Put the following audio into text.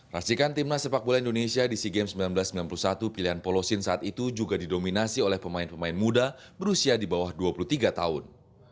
rasikan timnas sepak bola indonesia di sea games seribu sembilan ratus sembilan puluh satu pilihan polosin saat itu juga didominasi oleh pemain pemain muda berusia di bawah dua puluh tiga tahun